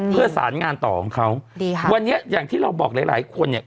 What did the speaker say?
เพื่อสารงานต่อของเขาดีค่ะวันนี้อย่างที่เราบอกหลายหลายคนเนี่ย